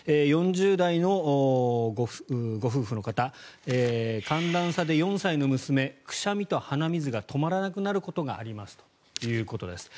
４０代のご夫婦の方寒暖差で４歳の娘くしゃみと鼻水が止まらなくなることがありますということです。